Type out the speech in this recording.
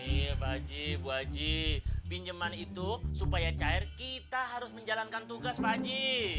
iya pak haji bu haji pinjaman itu supaya cair kita harus menjalankan tugas pak haji